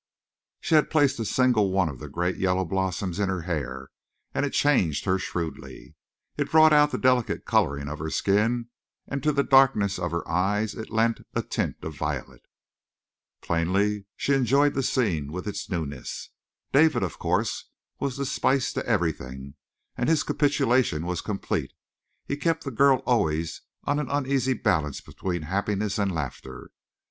She had placed a single one of the great yellow blossoms in her hair and it changed her shrewdly. It brought out the delicate coloring of her skin, and to the darkness of her eyes it lent a tint of violet. Plainly she enjoyed the scene with its newness. David, of course, was the spice to everything, and his capitulation was complete; he kept the girl always on an uneasy balance between happiness and laughter.